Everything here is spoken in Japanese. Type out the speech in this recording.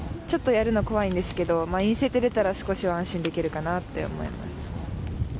ちょっとやるの怖いんですけど、陰性って出たら、少しは安心できるかなって思います。